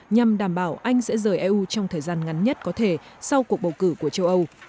nhằm đảm bảo anh sẽ rời eu trong thời gian ngắn nhất có thể sau cuộc bầu cử của châu âu